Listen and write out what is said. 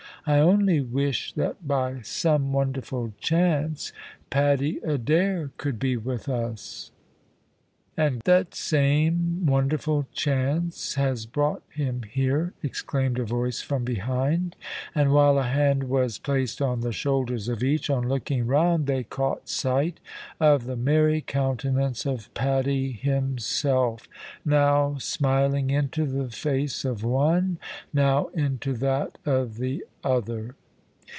I only wish that by some wonderful chance Paddy Adair could be with us." "And that same wonderful chance has brought him here," exclaimed a voice from behind, and while a hand was placed on the shoulders of each, on looking round they caught sight of the merry countenance of Paddy himself, now smiling into the face of one, now into that of the other.